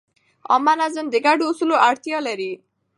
عامه نظم د ګډو اصولو اړتیا لري.